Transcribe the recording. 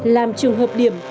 làm trường hợp điểm